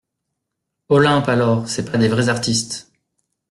Olympe Alors, c'est pas des vrais artistes …